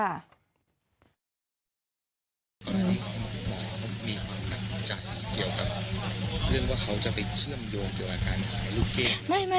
ไม่ค่ะจริงไม่ค่ะ